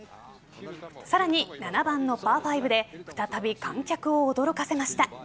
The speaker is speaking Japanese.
さらに７番のパー５で再び観客を驚かせました。